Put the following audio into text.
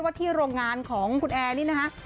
ที่โรงงานของคุณแอร์นี่นะคะ